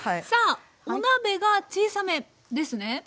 さあお鍋が小さめですね。